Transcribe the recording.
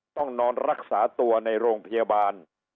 ต้องนอนรักษาตัวในโรงพยาบาล